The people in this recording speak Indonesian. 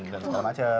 dan segala macem